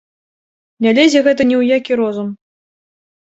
Не лезе гэта ні ў які розум!